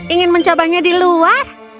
ingin mencobanya di luar